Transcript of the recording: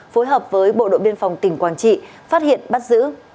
phối hợp với bộ đội biên phòng tỉnh quảng trị phát hiện bắt giữ